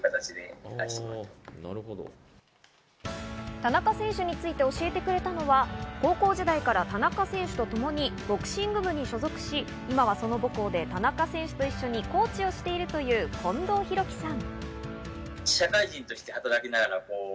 田中選手について教えてくれたのは、高校時代から田中選手とともにボクシング部に所属し、今はその母校で田中選手と一緒にコーチをしているという近藤広貴さん。